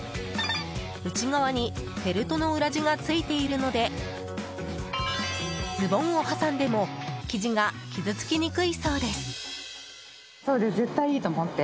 内側にフェルトの裏地がついているのでズボンを挟んでも生地が傷つきにくいそうです。